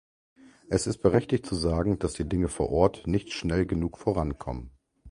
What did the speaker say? Es ist berechtigt zu sagen, dass die Dinge vor Ort nicht schnell genug vorankommen.